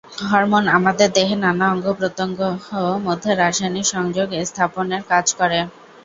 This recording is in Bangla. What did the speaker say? হরমোন আমাদের দেহে নানা অঙ্গ প্রত্যঙ্গ মধ্যে রাসায়নিক সংযোগ স্থাপনের কাজ করে।